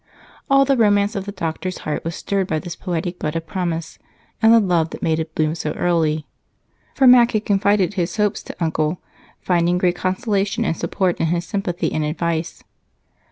All the romance of the doctor's heart was stirred by this poetic bud of promise and the love that made it bloom so early, for Mac had confided his hopes to Uncle, finding great consolation and support in his sympathy and advice.